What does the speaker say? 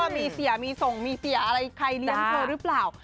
มีเสียมีส่งมีเสียอะไรใครเลี้ยงเธอหรือเปล่า